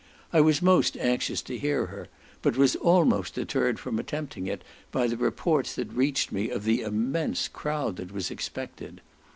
I was most anxious to hear her, but was almost deterred from attempting it, by the reports that reached me of the immense crowd that was expected.